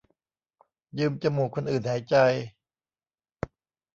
ยืมจมูกคนอื่นหายใจ